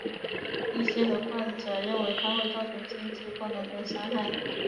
医师和患者认为它会造成心智功能的伤害。